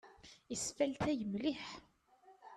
Isfalṭay mliḥ.